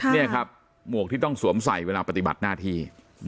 นี่ครับหมวกที่ต้องสวมใส่เวลาปฏิบัติหน้าที่